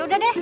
ya udah deh